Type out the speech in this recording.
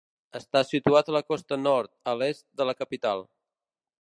Està situat a la costa nord, a l'est de la capital.